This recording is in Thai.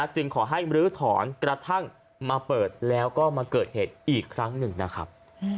จึงขอให้มรื้อถอนกระทั่งมาเปิดแล้วก็มาเกิดเหตุอีกครั้งหนึ่งนะครับ